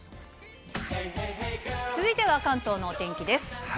続いては関東のお天気です。